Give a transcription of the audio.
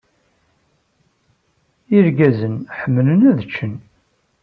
Irgazen ḥemmlen ad ččen.